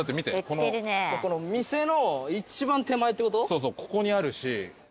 そうそうここにあるし。